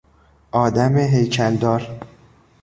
آدم هیکل دار